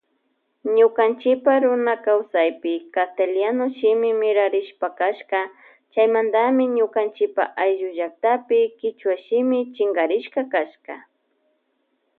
Ñukanchipa runakaysapi castellano shimi mirarishpa kasha chaymanta nukanchipa ayllu llaktapi kichwa shimi shinkarispa kashka.